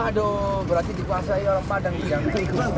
waduh berarti dikuasai orang padang gitu ya